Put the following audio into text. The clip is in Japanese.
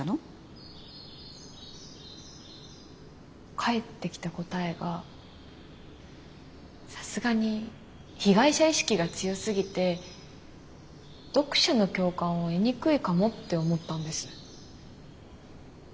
返ってきた答えがさすがに被害者意識が強すぎて読者の共感を得にくいかもって思ったんです。